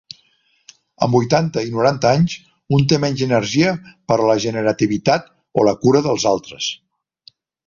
Amb vuitanta i noranta anys, un té menys energia per a la generativitat o la cura dels altres.